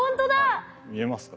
見えますか？